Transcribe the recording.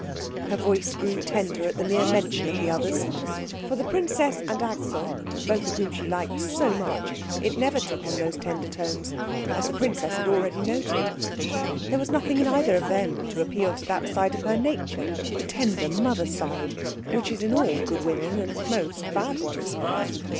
Her voice grew tender at the mere mention of "the others." For the princess and Axel, both of whom she liked so much, it never took on those tender tones, as the princess had already noted. There was nothing in either of them to appeal to that side of her nature, the tender, mother side, which is in all good women and most bad ones.